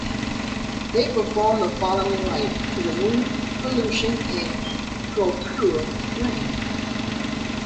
They perform the following rights to remove pollution and procure rain.